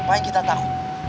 apa yang kita tahu